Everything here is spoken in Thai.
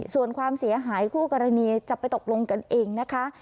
ส่วนความเสียหายคู่กรณีจะไปตกลงกันเองนะคะ